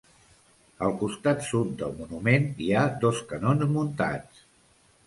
Al costat sud del monument hi ha dos canons muntats.